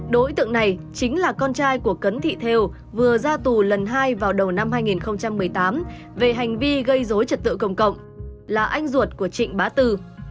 đối tượng này chính là con trai của cấn thị thều vừa ra tù lần hai vào đầu năm hai nghìn một mươi tám về hành vi gây dối trật tự công cộng là anh ruột của trịnh bá tư